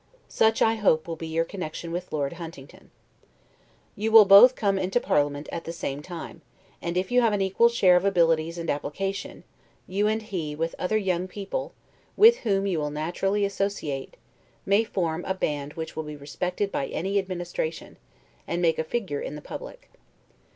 Such, I hope, will be your connection with Lord Huntingdon. You will both come into parliament at the same time; and if you have an equal share of abilities and application, you and he, with other young people, with whom you will naturally associate, may form a band which will be respected by any administration, and make a figure in the public.